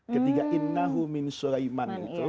ketiga innahu min sulayman itu